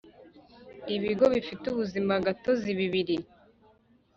ibigo bifite ubuzimagatozini bibiri